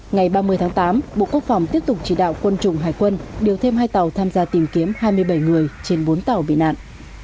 ngày ba mươi tháng tám bộ quốc phòng tiếp tục chỉ đạo quân chủng hải quân điều thêm hai tàu tham gia tìm kiếm hai mươi bảy người trên bốn tàu bị nạn